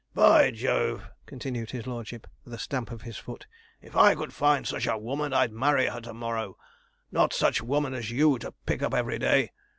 'By Jove!' continued his lordship, with a stamp of his foot, 'if I could find such a woman I'd marry her to morrow. Not such women as you to pick up every day.